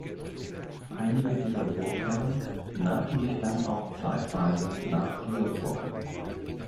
Einige dieser Burgherren nannten sich dann auch zeitweise nach dieser Burg.